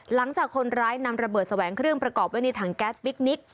หลังจากคนร้ายนำระเบิดแสวงเครื่องประกอบไว้ในถังแก๊สพิคนิค